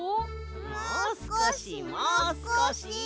もうすこしもうすこし。